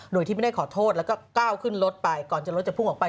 โดยที่ไม่ได้ขอโทษแล้วก็ก้าวขึ้นรถไปก่อนจะรถจะพุ่งออกไป